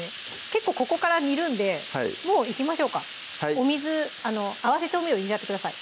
結構ここから煮るんでもういきましょうかお水合わせ調味料入れちゃってください